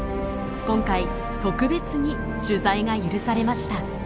今回特別に取材が許されました。